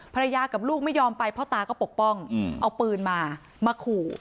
กับลูกไม่ยอมไปพ่อตาก็ปกป้องเอาปืนมามาขู่